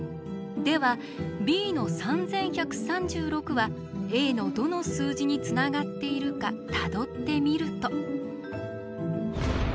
ではＢの３１３６はＡのどの数字につながっているかたどってみると。